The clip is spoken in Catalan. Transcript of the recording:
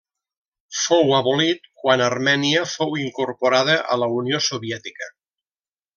Fou abolit quan Armènia fou incorporada a la Unió Soviètica.